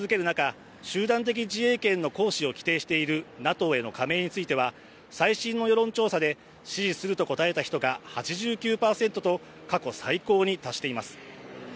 犠牲者が増える続ける中、集団的自衛権の行使を規定しているＮＡＴＯへの加盟については、最新の世論調査で支持すると答えた人が８９％と過去最高に達しています。